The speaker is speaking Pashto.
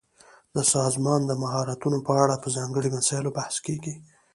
د سازمان د مهارتونو په اړه په ځانګړي مسایلو بحث کیږي.